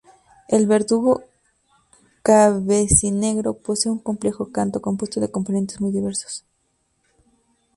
El verdugo cabecinegro posee un complejo canto, compuesto de componentes muy diversos.